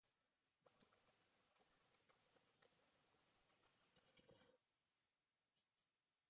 Batuketa da haurrek ikasten duten lehenengo eragiketa matematikoa.